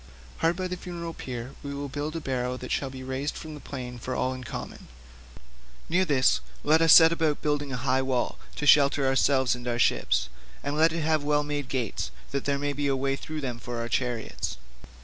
Hard by the funeral pyre we will build a barrow that shall be raised from the plain for all in common; near this let us set about building a high wall, to shelter ourselves and our ships, and let it have well made gates that there may be a way through them for our chariots.